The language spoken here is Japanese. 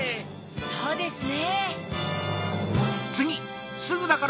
そうですね。